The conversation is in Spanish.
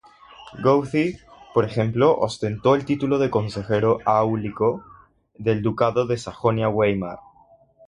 Goethe, por ejemplo, ostentó el título de consejero áulico del ducado de Sajonia-Weimar.